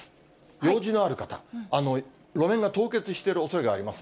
用事のある方、路面が凍結しているおそれがありますね。